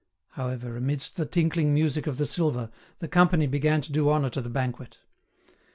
However, amidst the tinkling music of the silver, the company began to do honour to the banquet.